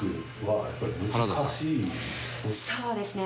そうですね。